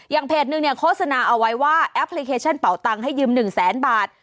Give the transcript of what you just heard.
อย่างเพจนึงเนี่ยโฆษณาเอาไว้ว่าแอปเป่าตังให้ยืม๑แสนบาท